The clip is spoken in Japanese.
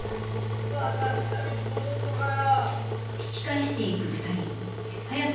また来た道戻んのかよ！？